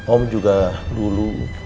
om juga dulu